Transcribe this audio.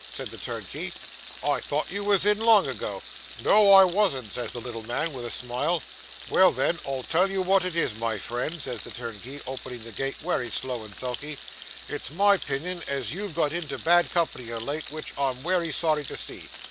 says the turnkey, "I thought you wos in, long ago." "No, I wasn't," says the little man, with a smile. "Well, then, I'll tell you wot it is, my friend," says the turnkey, openin' the gate wery slow and sulky, "it's my 'pinion as you've got into bad company o' late, which I'm wery sorry to see.